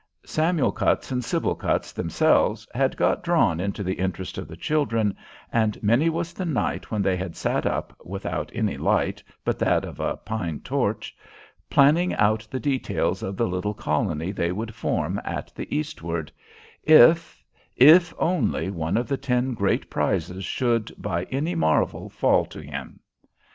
Samuel Cutts and Sybil Cutts themselves had got drawn into the interest of the children, and many was the night when they had sat up, without any light but that of a pine torch, planning out the details of the little colony they would form at the East ward, if if only one of the ten great prizes should, by any marvel, fall to him.